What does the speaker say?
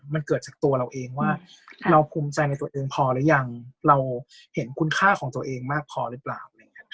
มันเกิดจากตัวเราเองว่าเราภูมิใจในตัวเองพอหรือยังเราเห็นคุณค่าของตัวเองมากพอหรือเปล่าอะไรอย่างนี้